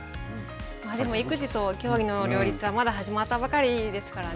でも、育児と競技の両立はまだ始まったばかりですからね。